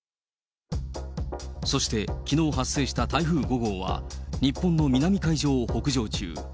そして、きのう発生した台風５号は、日本の南海上を北上中。